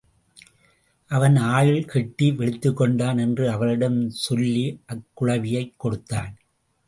அவன் ஆயுள் கெட்டி விழித்துக் கொண்டான் என்று அவளிடம் சொல்லி அக்குழவியைக் கொடுத்தான்.